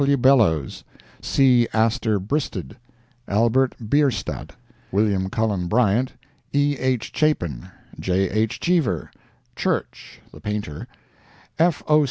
W. Bellows, C. Astor Bristed, Albert Bierstadt, Wm. Cullen Bryant, E. H. Chapin, J. H. Cheever, Church, the painter, F. O.